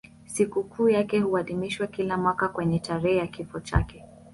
Sikukuu yake huadhimishwa kila mwaka kwenye tarehe ya kifo chake.